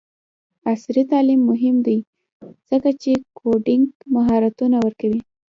عصري تعلیم مهم دی ځکه چې کوډینګ مهارتونه ورکوي.